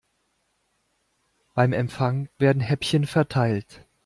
Beim Empfang werden Häppchen verteilt.